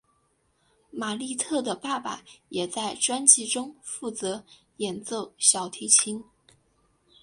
玛莉特的爸爸也在专辑中负责演奏小提琴。